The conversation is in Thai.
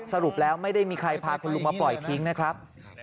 สรุปแล้วไม่ได้มีใครพาคุณลุงมาปล่อยทิ้งนะครับ